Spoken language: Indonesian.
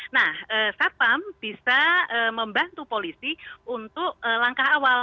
nah satpam bisa membantu polisi untuk langkah awal